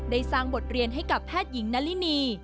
ได้สร้างบทเรียนให้กับแพทย์หญิงนารินี